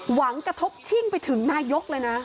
กระทบชิ่งไปถึงนายกเลยนะ